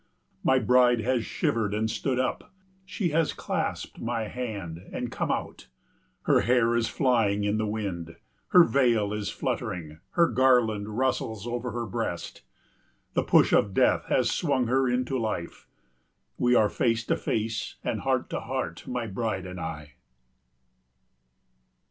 My bride has shivered and stood up, she has clasped my hand and come out. Her hair is flying in the wind, her veil is fluttering, her garland rustles over her breast. The push of death has swung her into life. We are face to face and heart to heart, my bride and I.